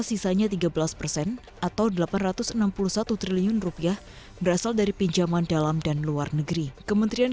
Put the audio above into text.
sisanya tiga belas persen atau delapan ratus enam puluh satu triliun rupiah berasal dari pinjaman dalam dan luar negeri kementerian